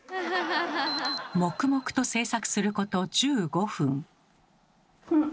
黙々と制作すること１５分。